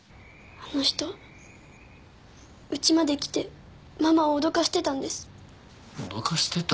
あの人うちまで来てママを脅かしてたんです脅かしてた？